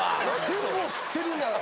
全部を知ってるんだよ